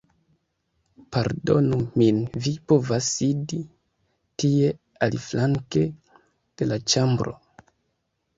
Pardonu min vi povas sidi tie aliflanke de la ĉambro!